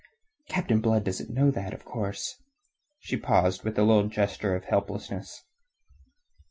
Captain Blood doesn't know that, of course...." She paused with a little gesture of helplessness.